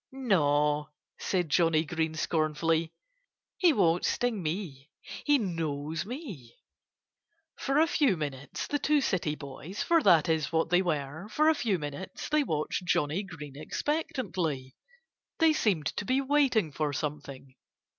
"Naw!" said Johnnie Green scornfully. "He won't sting me. He knows me." For a few minutes the two city boys for that is what they were for a few minutes they watched Johnnie Green expectantly. They seemed to be waiting for something.